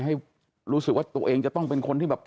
ให้รู้สึกว่าตัวเองจะต้องเป็นคนที่แบบ